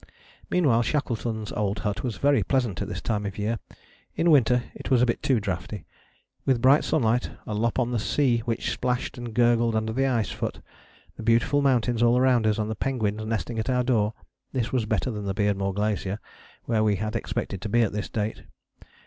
Meanwhile Shackleton's old hut was very pleasant at this time of year: in winter it was a bit too draughty. With bright sunlight, a lop on the sea which splashed and gurgled under the ice foot, the beautiful mountains all round us, and the penguins nesting at our door, this was better than the Beardmore Glacier, where we had expected to be at this date.